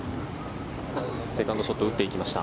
セカンドショット打っていきました。